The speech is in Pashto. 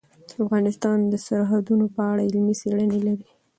افغانستان د سرحدونه په اړه علمي څېړنې لري.